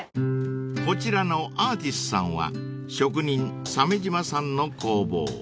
［こちらのＡＲＴＩＳさんは職人鮫島さんの工房］